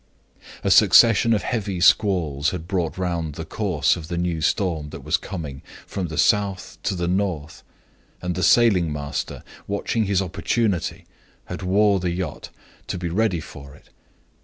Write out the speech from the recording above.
"A succession of heavy squalls had brought round the course of the new storm that was coming, from the south to the north; and the sailing master, watching his opportunity, had wore the yacht to be ready for it.